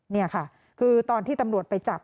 นี่ค่ะคือตอนที่ตำรวจไปจับ